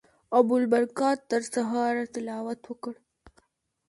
ابوالبرکات تر سهاره تلاوت وکړ.